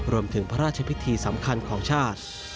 รวมถึงพระราชพิธีสำคัญของชาติ